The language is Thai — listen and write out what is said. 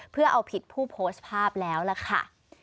เพื่อเอาผิดผู้โพสต์ภาพแล้วล่ะค่ะ